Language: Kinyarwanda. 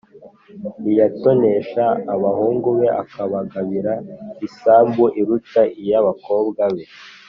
ntiyatonesha abahungu be akabagabira isambu iruta iy’abakobwa be?